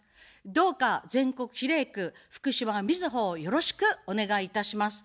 どうか全国比例区、福島みずほをよろしくお願いいたします。